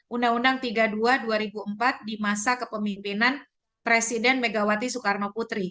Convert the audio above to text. undang undang tiga puluh dua dua ribu empat di masa kepemimpinan presiden megawati soekarno putri